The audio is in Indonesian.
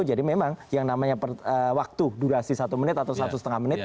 memang yang namanya waktu durasi satu menit atau satu setengah menit